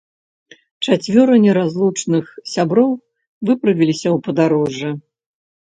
Чацвёра неразлучных сяброў выправіліся ў падарожжа.